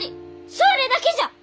それだけじゃ！